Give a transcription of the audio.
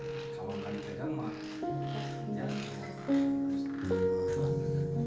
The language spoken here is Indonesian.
kalau gak dipegang maka jangan